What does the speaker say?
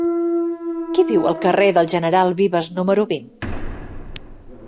Qui viu al carrer del General Vives número vint?